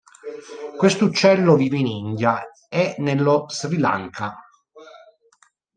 Questo uccello vive in India e nello Sri Lanka.